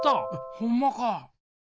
ほんまか！